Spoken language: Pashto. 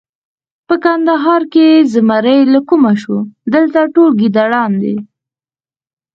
په کندهار کې زمری له کومه شو! دلته ټول ګیدړان دي.